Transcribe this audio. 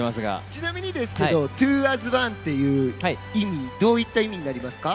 ちなみにＴｗｏａｓＯｎｅっていう意味どういった意味になりますか？